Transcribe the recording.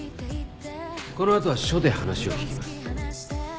この後は署で話を聞きます。